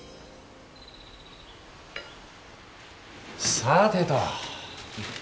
さてと。